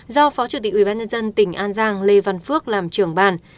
do phó chủ tịch ubnd tỉnh an giang lê văn phước làm trưởng bàn